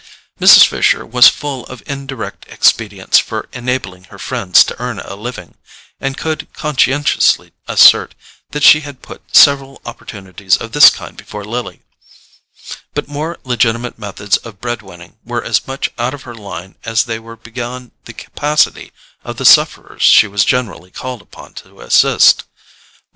Mrs. Fisher was full of indirect expedients for enabling her friends to earn a living, and could conscientiously assert that she had put several opportunities of this kind before Lily; but more legitimate methods of bread winning were as much out of her line as they were beyond the capacity of the sufferers she was generally called upon to assist.